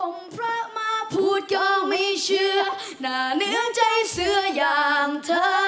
พระมาพูดก็ไม่เชื่อหน้าเนื้อใจเสืออย่างเธอ